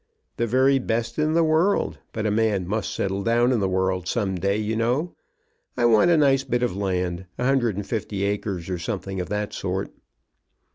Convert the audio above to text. "The very best in the world; but a man must settle down in the world some day, you know. I want a nice bit of land, a hundred and fifty acres, or something of that sort."